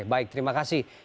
baik terima kasih